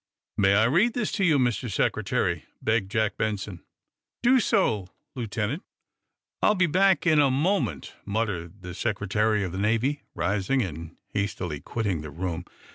"_ "May I read this to you, Mr. Secretary?" begged Jack Benson. "Do so, Lieutenant." "I will be back in a moment," muttered the Secretary of the Navy, rising, and hastily quitting the room.